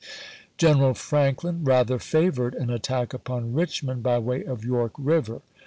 General Franklin rather favored an attack upon Richmond by way of York River.